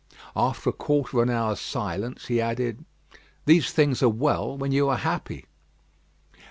After a quarter of an hour's silence, he added: "These things are well when you are happy."